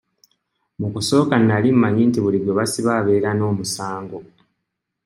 Mu kusooka nali mmanyi nti buli gwe basiba abeera n'omusango.